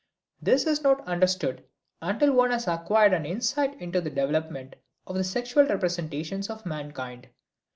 This is not understood until one has acquired an insight into the development of the sexual representations of mankind.